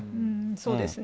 そうですね。